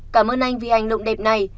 cảm ơn anh vì hành động đẹp này